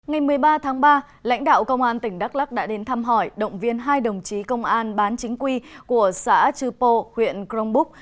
ngày một mươi ba tháng ba lãnh đạo công an tỉnh đắk lắc đã đến thăm hỏi động viên hai đồng chí công an bán chính quy của xã chư pô huyện crong búc